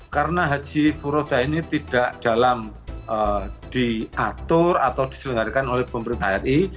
karena haji furoda ini tidak dalam diatur atau diselenggarakan oleh pemerintah hri